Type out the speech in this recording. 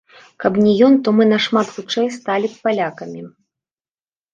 Каб не ён, то мы нашмат хутчэй сталі б палякамі.